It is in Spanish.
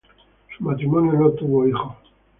Su matrimonio no tuvo hijos.